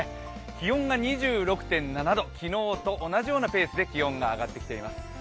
気温が２６．７度、昨日と同じようなペースで気温が上がってきています。